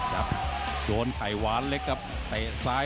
โหดแก้งขวาโหดแก้งขวา